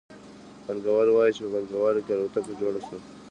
پانګوال وايي چې په پانګوالي کې الوتکه جوړه شوه